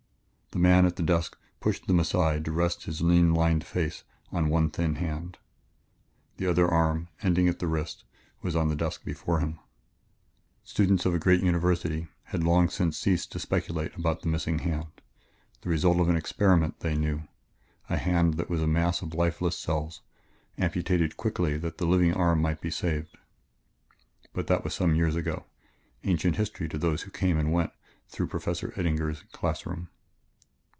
The man at the desk pushed them aside to rest his lean, lined face on one thin hand. The other arm, ending at the wrist, was on the desk before him. [Sidenote: Sadly, sternly, the old professor reveals to his brilliant pupil the greater path to glory.] Students of a great university had long since ceased to speculate about the missing hand. The result of an experiment, they knew a hand that was a mass of lifeless cells, amputated quickly that the living arm might be saved but that was some several years ago, ancient history to those who came and went through Professor Eddinger's class room.